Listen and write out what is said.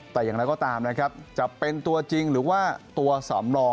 แต่อย่างไรก็ตามนะครับจะเป็นตัวจริงหรือว่าตัวสำรอง